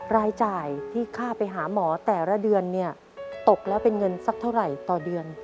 รายจ่ายที่ค่าไปหาหมอแต่ละเดือนเนี่ยตกแล้วเป็นเงินสักเท่าไหร่ต่อเดือน